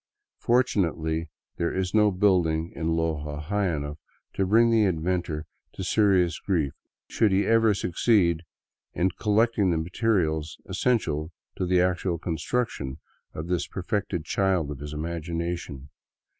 Fortunately there is no building in Loja high enough to bring the inventor to serious grief, should he ever succeed in collecting the materials essential to the actual construction of this perfected child of his imagination.